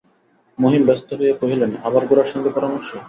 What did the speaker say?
মহিম ব্যস্ত হইয়া কহিলেন, আবার গোরার সঙ্গে পরামর্শ!